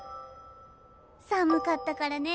寒かったからね。